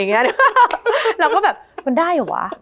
มันทำให้ชีวิตผู้มันไปไม่รอด